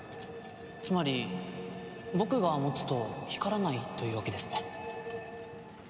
つまり僕が持つと光らないというわけですね。